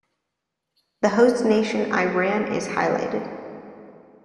The host nation, Iran, is highlighted.